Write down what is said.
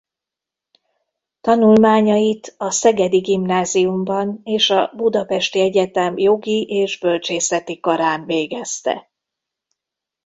Tanulmányait a szegedi gimnáziumban és a budapesti egyetem jogi és bölcsészeti karán végezte.